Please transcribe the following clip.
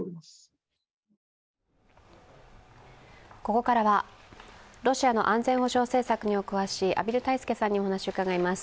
ここからはロシアの安全保障政策にお詳しい畔蒜泰助さんにお話をうかがいます。